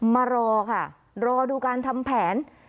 มารอค่ะรอดูการทำแผน